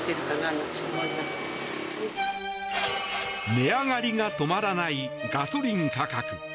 値上がりが止まらないガソリン価格。